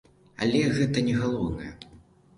Але гэта не галоўнае.